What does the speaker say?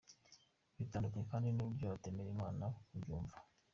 Bitandukanye kandi n’uburyo abatemera Imana babyumva.